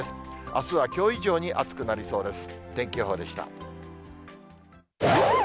あすはきょう以上に暑くなりそうです。